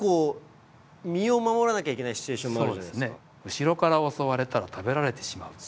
後ろから襲われたら食べられてしまう。